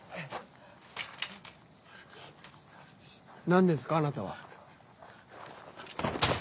何ですかあなたは。